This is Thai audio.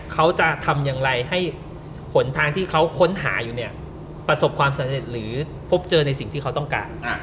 เขาจะทำอย่างไรให้หนทางที่เขาค้นหาอยู่เนี่ยประสบความสำเร็จหรือพบเจอในสิ่งที่เขาต้องการ